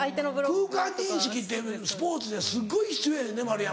空間認識ってスポーツですっごい必要やねんで丸山。